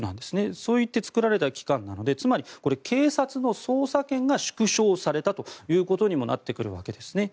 そういって作られた機関なのでつまり、検察の捜査権が縮小されたということにもなってくるわけですね。